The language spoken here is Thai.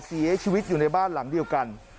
เสียชีวิตอยู่ในบ้านหลังเดียวกัน